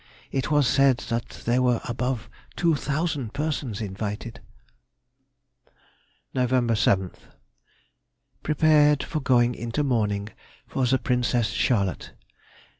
It was said that there were above two thousand persons invited. Nov. 7th.—Prepared for going into mourning for the Princess Charlotte.